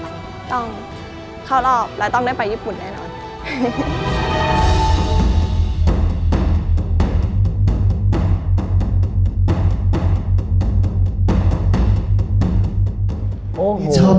ต้องเข้ารอบแล้วต้องได้ไปญี่ปุ่นแน่นอน